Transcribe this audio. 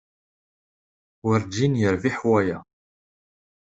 Werǧin yerbiḥ waya.